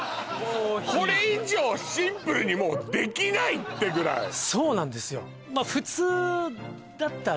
これ以上シンプルにもうできないってぐらいそうなんですよ